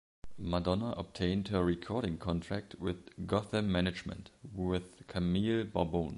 Madonna obtained her recording contract with Gotham Management, with Camille Barbone.